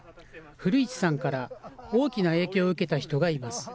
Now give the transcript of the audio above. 古市さんから大きな影響を受けた人がいます。